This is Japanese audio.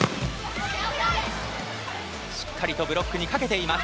しっかりとブロックに掛けています。